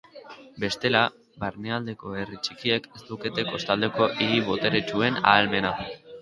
Bestela, barnealdeko herri txikiek ez lukete kostaldeko hiri boteretsuen ahalmena.